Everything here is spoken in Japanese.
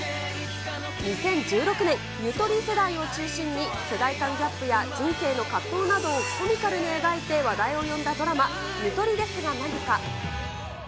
２０１６年、ゆとり世代を中心に世代間ギャップや人生の葛藤などをコミカルに描いて話題を呼あー！